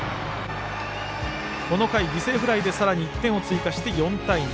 この回、犠牲フライでさらに１点を追加して４対２。